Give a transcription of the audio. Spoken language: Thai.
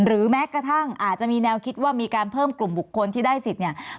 แม้กระทั่งอาจจะมีแนวคิดว่ามีการเพิ่มกลุ่มบุคคลที่ได้สิทธิ์เนี่ย